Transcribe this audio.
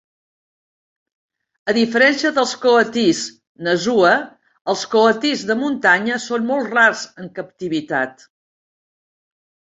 A diferència dels coatís "Nasua", els coatís de muntanya són molt rars en captivitat.